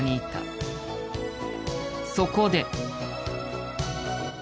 そこで。